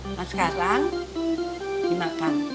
nah sekarang dimakan